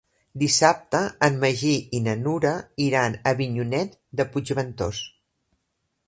Dissabte en Magí i na Nura iran a Avinyonet de Puigventós.